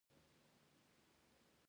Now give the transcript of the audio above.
آیا سوله خیر ده؟